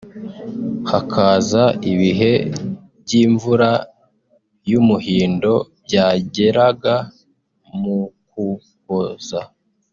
hakaza ibihe by’imvura y’umuhindo byageraga m’Ukuboza